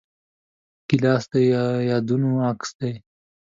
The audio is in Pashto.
ګیلاس د یادونو عکس دی.